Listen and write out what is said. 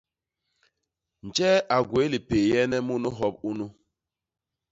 Njee a gwéé lipééyene munu hop unu?